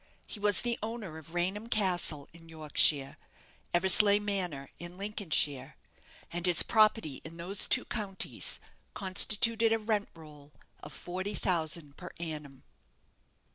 He was the owner of Raynham Castle, in Yorkshire; Eversleigh Manor, in Lincolnshire; and his property in those two counties constituted a rent roll of forty thousand per annum.